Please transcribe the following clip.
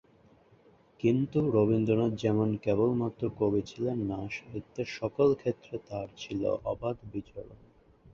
কিন্তু রবীন্দ্রনাথ যেমন কেবল মাত্র কবি ছিলেন না, সাহিত্যের সকল ক্ষেত্রে তার ছিলো অবাধ বিচরণ।